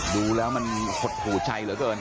ดูแล้วมันหดหูใจเหลือเกิน